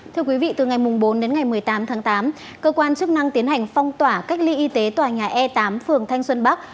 thưa quý vị từ ngày bốn đến ngày một mươi tám tháng tám cơ quan chức năng tiến hành phong tỏa cách ly y tế tòa nhà e tám phường thanh xuân bắc